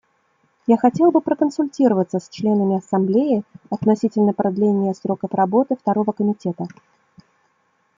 Я хотел бы проконсультироваться с членами Ассамблеи относительно продления сроков работы Второго комитета.